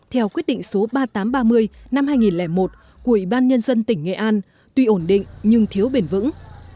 theo quyết định số ba nghìn tám trăm ba mươi năm hai nghìn một của ủy ban nhân dân tỉnh nghệ an tuy ổn định nhưng thiếu bền vững